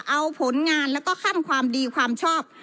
เอาผลงานแล้วก็ขั้นความดีความชอบ